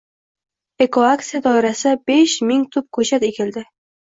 Ekoaksiya doirasida besh ming tup ko‘chat ekilding